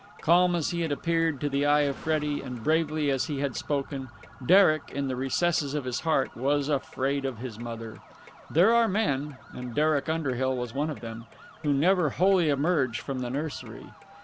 Calm as he had appeared to the eye of Freddie and bravely as he had spoken, Derek, in the recesses of his heart, was afraid of his mother. There are men and Derek Underhill was one of them who never wholly emerge from the nursery.